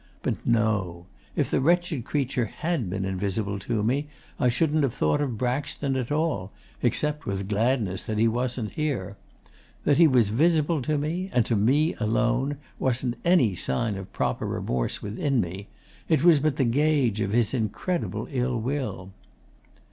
But no; if the wretched creature HAD been invisible to me, I shouldn't have thought of Braxton at all except with gladness that he wasn't here. That he was visible to me, and to me alone, wasn't any sign of proper remorse within me. It was but the gauge of his incredible ill will.